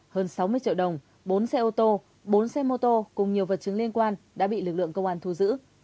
hơn sáu mươi triệu đồng bốn xe ô tô bốn xe mô tô cùng nhiều vật chứng liên quan đã bị lực lượng công an thu giữ